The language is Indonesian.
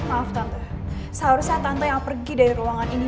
maaf tante seharusnya tante yang pergi dari ruangan ini